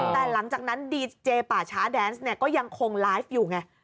แต่หลังจากนั้นดีเจป่าช้าแดนส์เนี่ยก็ยังคงไลฟ์อยู่ไง